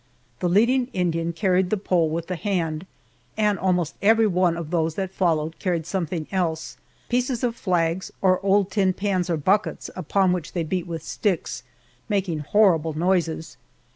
The leading Indian carried the pole with the hand, and almost everyone of those that followed carried something also pieces of flags, or old tin pans or buckets, upon which they beat with sticks, making horrible noises.